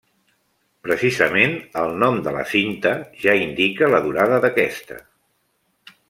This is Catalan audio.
Precisament, el nom de la cinta, ja indica la durada d'aquesta.